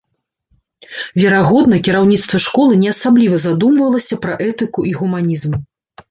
Верагодна, кіраўніцтва школы не асабліва задумвалася пра этыку і гуманізм.